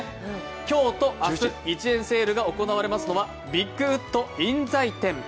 今日と明日、１円セールが行われますのはビッグウッド印西店。